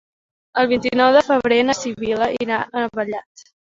El vint-i-nou de febrer na Sibil·la irà a Vallat.